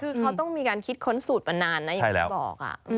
คือเขาต้องมีการคิดค้นสูตรมานานนะอย่างที่บอก